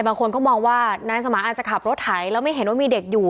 บางคนก็มองว่านายสมานอาจจะขับรถไถแล้วไม่เห็นว่ามีเด็กอยู่